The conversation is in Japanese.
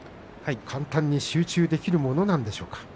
簡単に集中できるものなんでしょうか。